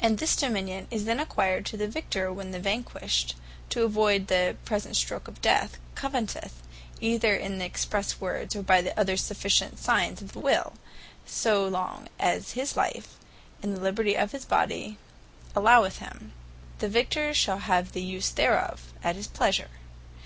And this Dominion is then acquired to the Victor, when the Vanquished, to avoyd the present stroke of death, covenanteth either in expresse words, or by other sufficient signes of the Will, that so long as his life, and the liberty of his body is allowed him, the Victor shall have the use thereof, at his pleasure.